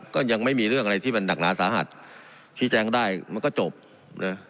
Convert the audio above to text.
ก็ยังไม่มีเรื่องอะไรที่มันหนักหนาสาหัสชี้แจงได้มันก็จบนะ